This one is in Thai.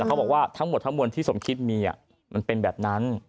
เขาบอกว่าทั้งหมดทั้งมวลที่สมคิดมีมันเป็นแบบนั้น